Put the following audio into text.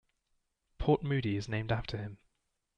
Port Moody is named after him.